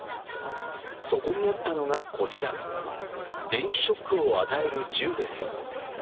そこにあったのがこちら、電気ショックを与える銃です。